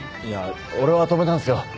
いや俺は止めたんすよ